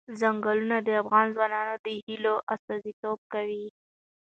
ځنګلونه د افغان ځوانانو د هیلو استازیتوب کوي.